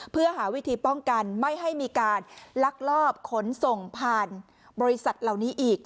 เพื่อหาวิธีป้องกันไม่ให้มีการลักลอบขนส่งผ่านบริษัทเหล่านี้อีก